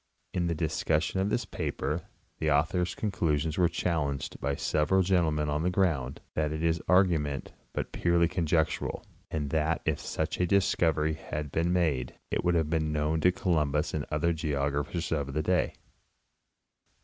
In the discussion of this paper the author's con clusions were challenged by several gentlemen on the ground that its ar gument was purely conjectural, and that if such a discovery had been made it would have been known to Columbus and other geographers of the day.